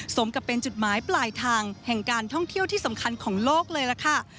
สมกับเป็นจุดหมายปลายทางแห่งการท่องเที่ยวที่สำคัญของโลกเลยล่ะค่ะ